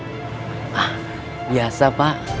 pak biasa pak